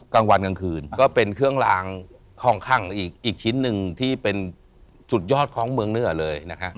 กลางวันกลางคืนก็เป็นเครื่องลางคล่องข้างอีกชิ้นหนึ่งที่เป็นสุดยอดของเมืองเหนือเลยนะคะ